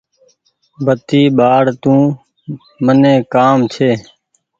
بتي ٻآڙ تو مني ڪآم ڇي۔